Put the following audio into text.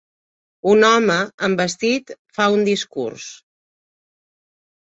un home amb vestit fa un discurs.